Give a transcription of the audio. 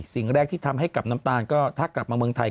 สิ่งแรกที่ทำให้กับน้ำตาลก็ถ้ากลับมาเมืองไทย